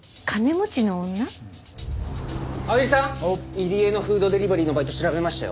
入江のフードデリバリーのバイト調べましたよ。